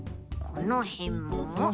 このへんも？